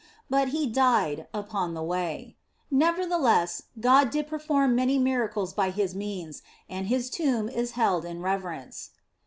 But he died upon the way. Nevertheless, God did perform many miracles by means of him, and his tomb is held in reverence.